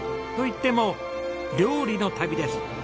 といっても料理の旅です。